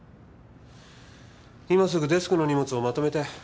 今すぐデスクの荷物をまとめて。